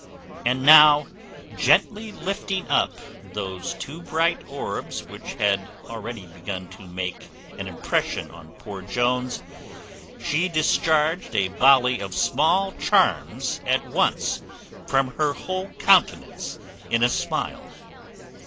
And now, gently lifting up those two bright orbs which had already begun to make an impression on poor Jones, she discharged a volley of small charms at once from her whole countenance in a smile.